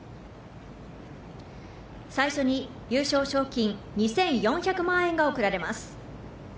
最初に優勝賞金２４００万円が贈られます。